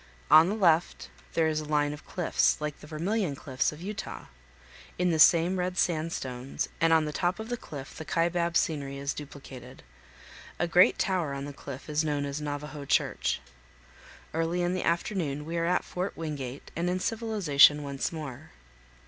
On the left there is a line of cliffs, like the Vermilion Cliffs of Utah. In the same red sandstones and on the top of the cliff the Kaibab scenery is duplicated. A great tower on the cliff is known as "Navajo Church." Early in the afternoon we are at Fort Wingate and in civilization once more.